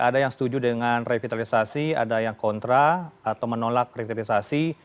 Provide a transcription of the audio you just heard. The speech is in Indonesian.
ada yang setuju dengan revitalisasi ada yang kontra atau menolak revitalisasi